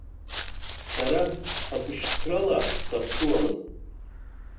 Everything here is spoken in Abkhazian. Сара абшьҭрала саԥсыуамызт.